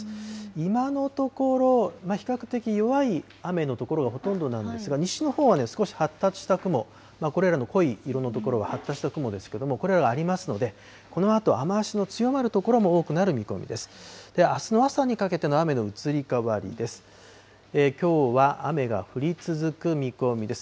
今のところ、比較的、弱い雨の所がほとんどなんですが、西のほうはね、少し発達した雲、これらの濃い色の所は発達した雲ですけども、これらがありますので、このあと、雨足の強まる所も多くなる見込みです。